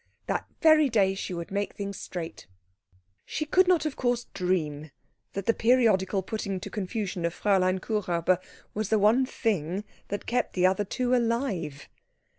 That very day she would make things straight. She could not of course dream that the periodical putting to confusion of Fräulein Kuhräuber was the one thing that kept the other two alive.